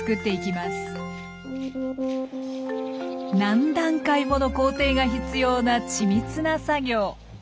何段階もの工程が必要な緻密な作業。